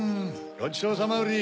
ごちそうさまウリ。